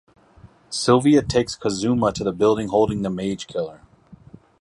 Sylvia takes Kazuma to the building holding the Mage Killer.